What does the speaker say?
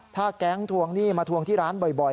ถ้าแก๊งทวงหนี้มาทวงที่ร้านบ่อย